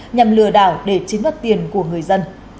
nhằm lừa đảo để chiếm đoạt tiền của người dân